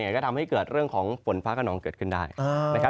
ก็ทำให้เกิดเรื่องของฝนฟ้ากระนองเกิดขึ้นได้